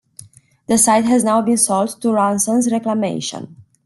The site has now been sold to Ronsons Reclamation.